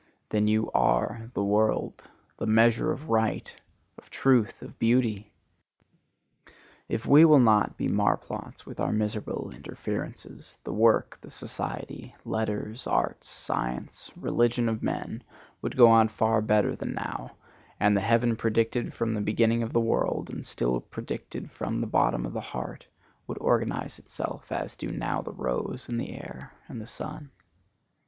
Then you are the world, the measure of right, of truth, of beauty. If we will not be mar plots with our miserable interferences, the work, the society, letters, arts, science, religion of men would go on far better than now, and the heaven predicted from the beginning of the world, and still predicted from the bottom of the heart, would organize itself, as do now the rose and the air and the sun.